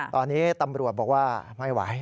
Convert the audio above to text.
ตอนนี้ตำรวจบอกว่าไม่ไหว